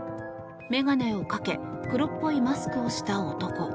眼鏡をかけ黒っぽいマスクをした男。